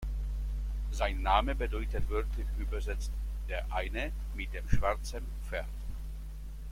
Sein Name bedeutet wörtlich übersetzt "Der eine mit dem schwarzen Pferd".